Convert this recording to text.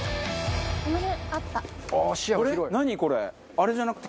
あれじゃなくて？